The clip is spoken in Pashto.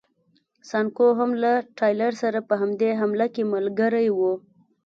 سانکو هم له ټایلر سره په دې حمله کې ملګری و.